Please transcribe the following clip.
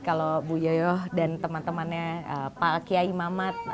kalau bu yoyoh dan teman temannya pak alkia imamat